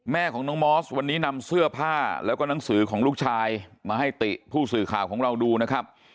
แม่ของน้องมอสวันนี้นำเสื้อผ้าแล้วก็หนังสือของลูกชายมาให้ติผู้สื่อข่าวของเราดูนะครับ